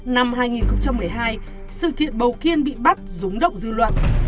năm hai nghìn một mươi hai sự kiện bầu kiên bị bắt rúng động dư luận